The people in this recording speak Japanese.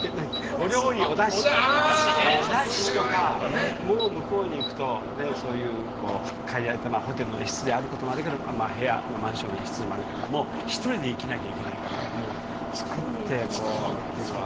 お料理、おだしとか向こうに行くと借りられたホテルの一室の時もあるけどマンションの一室でもあるけど１人で生きなきゃいけないから作ってっていうのは。